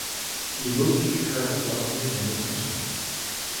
He moved to Jakarta while he attended high school.